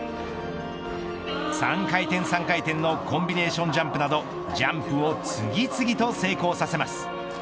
３回転３回転のコンビネーションジャンプなどジャンプを次々と成功させます。